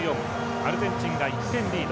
アルゼンチンが１点リード。